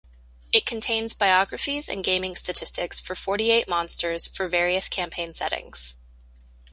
It contains biographies and gaming statistics for forty-eight monsters for various campaign settings.